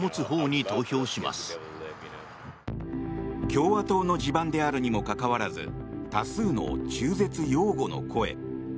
共和党の地盤であるにもかかわらず多数の中絶擁護の声。